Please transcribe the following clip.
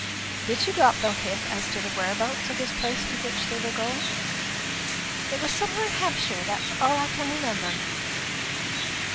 '" "Did she drop no hint as to the whereabouts of this place to which they were going?" "It was somewhere in Hampshire; that is all I can remember."